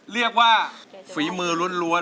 เรียกว่าฝีมือร้วน